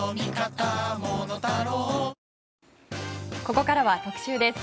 ここからは特集です。